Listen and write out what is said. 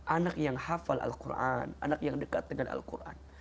anak yang hafal alquran anak yang dekat dengan alquran